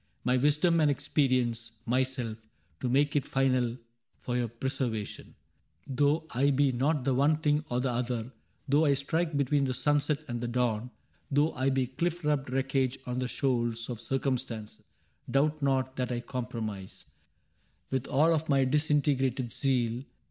My wisdom and experience — myself. To make it final — for your preservation ; Though I be not the one thing or the other. Though I strike between the sunset and the dawn. Though I be cliiF rubbed wreckage on the shoals Of Circumstance, — doubt not that I comprise, With all of my disintegrated zeal.